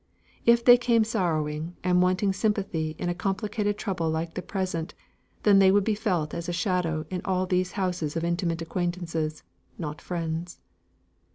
If they came sorrowing, and wanting sympathy in a complicated trouble like the present, then they would be felt as a shadow in all these houses of intimate acquaintances, not friends.